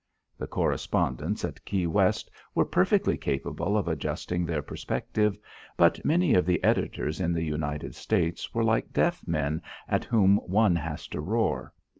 The correspondents at Key West were perfectly capable of adjusting their perspective, but many of the editors in the United States were like deaf men at whom one has to roar.